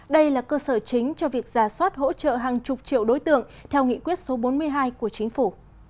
đây là cơ sở chính cho việc giả soát hỗ trợ hàng chục triệu đối tượng theo nghị quyết số bốn mươi hai của chính phủ